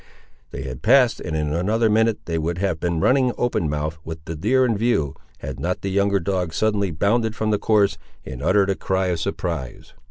They had passed; and in another minute they would have been running open mouthed with the deer in view, had not the younger dog suddenly bounded from the course, and uttered a cry of surprise.